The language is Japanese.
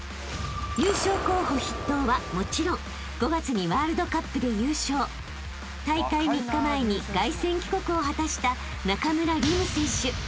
［優勝候補筆頭はもちろん５月にワールドカップで優勝大会３日前に凱旋帰国を果たした中村輪夢選手］